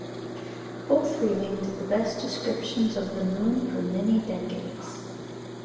Both remained the best descriptions of the Moon for many decades.